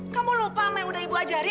kamu lupa sama yang udah ibu ajari